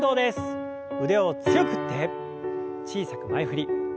腕を強く振って小さく前振り。